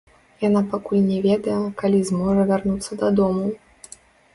Яна пакуль не ведае, калі зможа вярнуцца дадому.